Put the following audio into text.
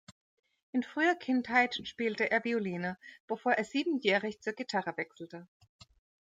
In früher Kindheit spielte er Violine, bevor er siebenjährig zur Gitarre wechselte.